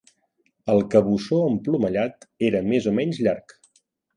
El cabussó emplomallat era més o menys llarg.